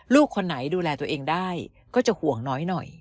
ลูกคนไหนดูแลตัวเองได้ก็จะห่วงน้อยหน่อย